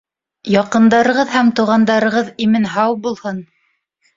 Яҡындарығыҙ һәм туғандарығыҙ имен-һау булһын!